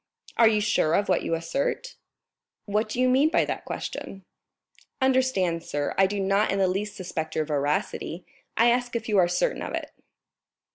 "Are you sure of what you assert?" "What do you mean by that question?" "Understand, sir, I do not in the least suspect your veracity; I ask if you are certain of it?"